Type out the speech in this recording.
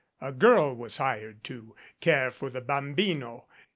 A girl was hired to care for the bambino.